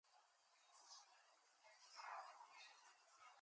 He mostly works in the ambient music genre and produces only with a computer.